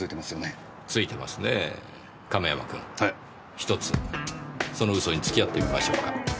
ひとつその嘘に付き合ってみましょうか。